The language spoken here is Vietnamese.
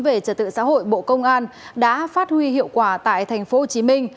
về trật tự xã hội bộ công an đã phát huy hiệu quả tại tp hcm